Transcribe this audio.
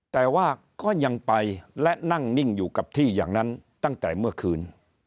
แต่ว่าก็ยังไปและนั่งนิ่งอยู่กับที่อย่างนั้นตั้งแต่เมื่อคืน